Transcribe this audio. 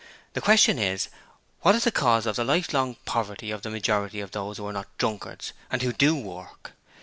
The question is, what is the cause of the lifelong poverty of the majority of those who are not drunkards and who DO work?